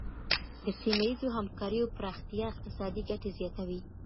د سیمه ییزو همکاریو پراختیا اقتصادي ګټي زیاتوي.